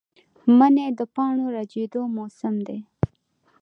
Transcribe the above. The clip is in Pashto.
منی د پاڼو ریژیدو موسم دی